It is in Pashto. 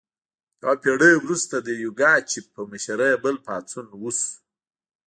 یوه پیړۍ وروسته د یوګاچف په مشرۍ بل پاڅون وشو.